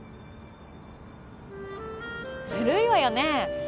ずるいわよね。